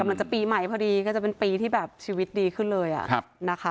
มันจะปีใหม่พอดีก็จะเป็นปีที่แบบชีวิตดีขึ้นเลยนะคะ